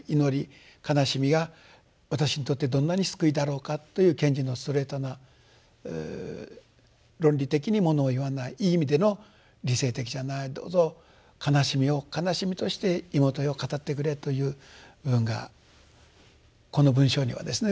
悲しみが私にとってどんなに救いだろうかという賢治のストレートな論理的にものを言わないいい意味での理性的じゃない「どうぞ悲しみを悲しみとして妹よ語ってくれ」という部分がこの文章にはですね